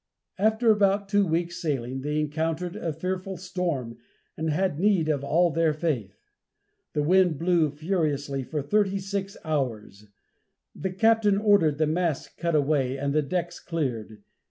After about two weeks' sailing, they encountered a fearful storm and had need of all their faith. The wind blew furiously for thirty six hours. The captain ordered the masts cut away and the decks cleared.